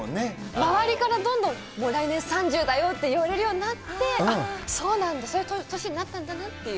周りからどんどん、もう来年３０だよって言われるようになって、あっ、そうなんだ、そういう年になったんだなっていう。